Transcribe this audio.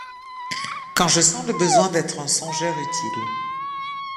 Que je sens le besoin d'être un songeur utile ;